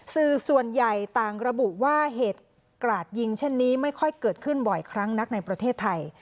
สื่อส่วนใหญ่ต่างระบุว่าเหตุกราดยิงเช่นนี้ไม่ค่อยเกิดขึ้นบ่อยครั้งนักในประเทศไทย